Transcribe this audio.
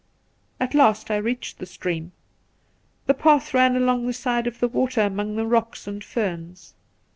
At last I reached the stream. The path ran along the side of the water among the rocks and ferns.